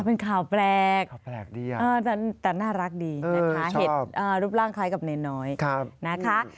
เป็นข่าวแปลกดีแต่น่ารักดีนะคะเห็นรูปร่างคล้ายกับเนน้อยนะคะ